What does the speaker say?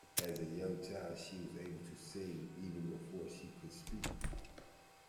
As a young child she was able to sing even before she could speak